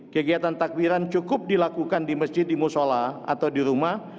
kegiatan takbiran cukup dilakukan di masjid di musola atau di rumah